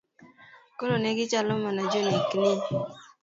Koro negi chalo mana jonekni.